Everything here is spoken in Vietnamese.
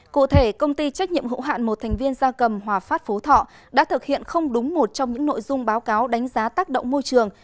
cụ thể công ty trách nhiệm hữu hạn một thành viên gia cầm hòa phát phú thọ đã thực hiện không đúng một trong những nội dung báo cáo đánh giá tác động môi trường